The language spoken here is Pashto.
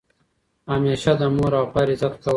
همیشه د مور او پلار عزت کوه!